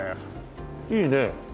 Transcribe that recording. いいね。